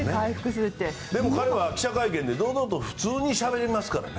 でも彼は、記者会見で堂々と普通に話しますからね。